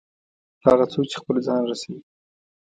هغه څوک چې خپل ځان رسوي.